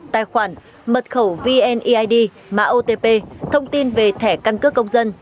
tài khoản mật khẩu vneid mã otp thông tin về thẻ căn cước công dân